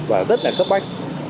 và rất là cấp bách